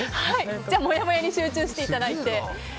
もやもやに集中していただいて。